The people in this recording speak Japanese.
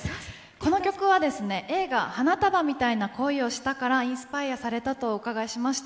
この曲は映画「花束みたいな恋をした」からインスパイアしたとお伺いしました。